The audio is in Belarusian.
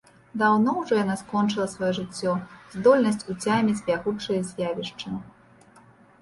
Даўно ўжо яна скончыла сваё жыццё, здольнасць уцяміць бягучыя з'явішчы.